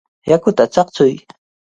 ¡Yakuta chaqchuy!